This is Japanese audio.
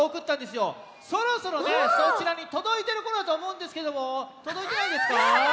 そろそろそちらにとどいてるころやとおもうんですけどもとどいてないですか？